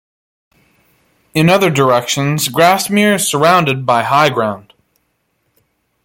In other directions, Grasmere is surrounded by high ground.